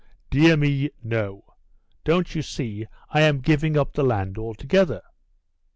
"Dear me! no. Don't you see, I am giving up the land altogether."